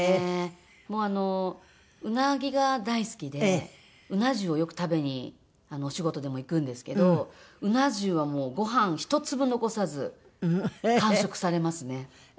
もうあのうなぎが大好きでうな重をよく食べにお仕事でも行くんですけどうな重はもうご飯一粒残さず完食されますね。